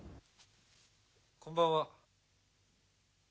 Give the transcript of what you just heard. こんばんは。